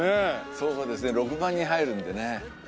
そうですね６万人入るんでね。